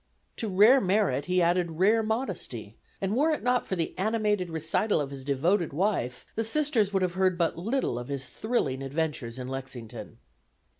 To rare merit he added rare modesty, and were it not for the animated recital of his devoted wife the Sisters would have heard but little of his thrilling adventures in Lexington.